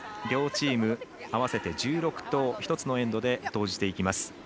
両チーム合わせて１６投１つのエンドで投じていきます。